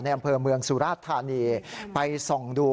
อำเภอเมืองสุราชธานีไปส่องดู